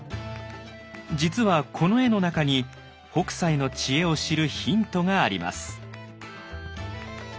実はこの絵の中に北斎の知恵を知るヒントがあります。